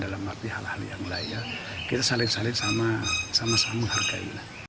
dalam arti hal hal yang layak kita saling saling sama sama menghargai lah